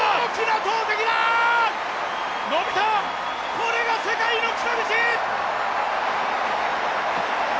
これが世界の北口！